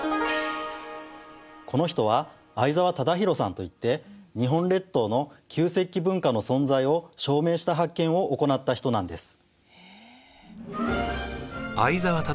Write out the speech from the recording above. この人は相沢忠洋さんといって日本列島の旧石器文化の存在を証明した発見を行った人なんです。